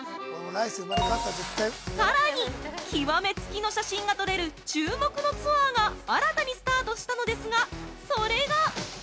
さらに極めつきの写真が撮れる注目のツアーが新たにスタートしたのですがそれが！